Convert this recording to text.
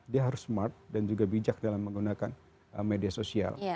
dia harus smart dan juga bijak dalam menggunakan media sosial